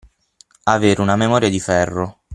Avere una memoria di ferro.